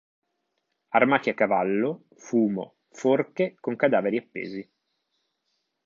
Armati a cavallo, fumo, forche con cadaveri appesi.